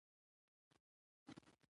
وړاندې لاړ شئ او مه بېرته کېږئ.